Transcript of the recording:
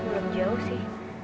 belum jauh sih